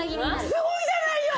すごいじゃないよ！